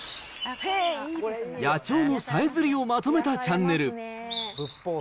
野鳥のさえずりをまとめたチャンネル。